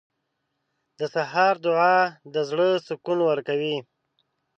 • د سهار دعا د زړه سکون ورکوي.